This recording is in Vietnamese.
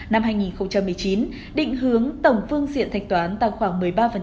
năm hai nghìn một mươi chín định hướng tổng phương diện thanh toán tăng khoảng một mươi ba